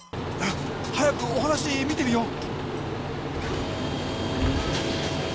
早くお話見てみよう。